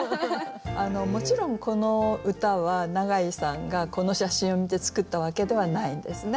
もちろんこの歌は永井さんがこの写真を見て作ったわけではないんですね。